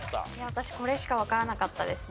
私これしかわからなかったですね。